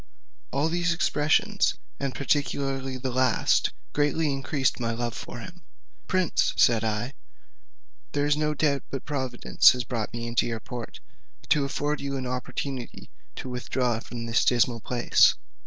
All these expressions, and particularly the last, greatly increased my love for him. "Prince," said I, "there is no doubt but Providence has brought me into your port, to afford you an opportunity of withdrawing from this dismal place.